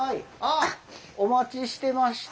お待ちしてました。